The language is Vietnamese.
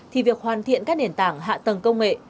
thì việc hoàn thiện các nền tảng hạ tầng công nghệ